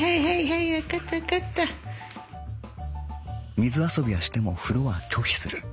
「水遊びはしても風呂は拒否する」。